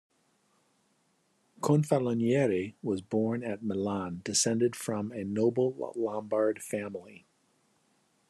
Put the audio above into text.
Confalonieri was born at Milan, descended from a noble Lombard family.